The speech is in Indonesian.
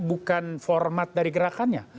bukan format dari gerakannya